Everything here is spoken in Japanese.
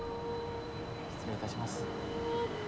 失礼いたします。